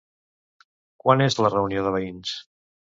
Quan és la reunió de veïns?